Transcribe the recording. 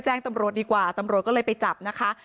แจ้งตำรวจดีกว่าตำรวจก็เลยไปจับนะคะ